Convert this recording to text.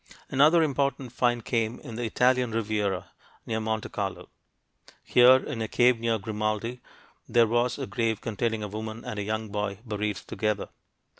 Another important find came in the Italian Riviera, near Monte Carlo. Here, in a cave near Grimaldi, there was a grave containing a woman and a young boy, buried together.